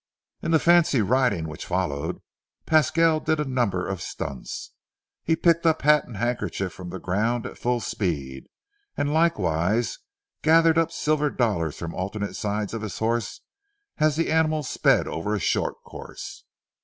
In the fancy riding which followed, Pasquale did a number of stunts. He picked up hat and handkerchief from the ground at full speed, and likewise gathered up silver dollars from alternate sides of his horse as the animal sped over a short course.